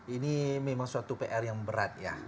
ini memang suatu pr yang berat ya